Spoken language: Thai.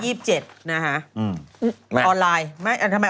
อออนไลน์ทำไมออนไลน์แล้ว๒๗บาทอ๋อไม่ใช่